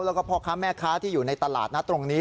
แล้วก็พ่อค้าแม่ค้าที่อยู่ในตลาดนัดตรงนี้